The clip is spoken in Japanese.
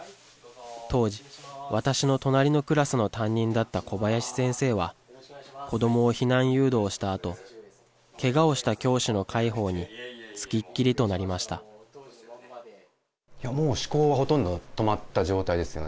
当時、私の隣のクラスの担任だった小林先生は、子どもを避難誘導したあと、けがをした教師の介抱に付きっきりといや、もう思考はほとんど止まった状態ですよね。